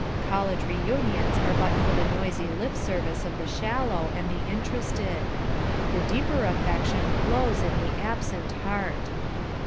College reunions are but for the noisy lip service of the shallow and the interested. The deeper affection glows in the absent heart.